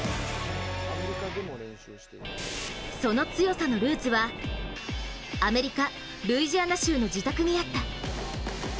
その強さのルーツは、アメリカ・ルイジアナ州の自宅にあった。